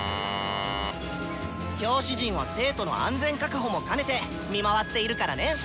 教師陣は生徒の安全確保も兼ねて見回っているからね！」。